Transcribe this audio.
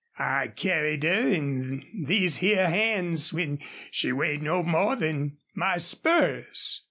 I carried her in these here hands when she weighed no more 'n my spurs.